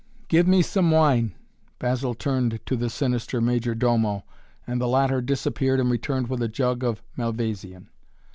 "Give me some wine!" Basil turned to the sinister Major Domo, and the latter disappeared and returned with a jug of Malvasian.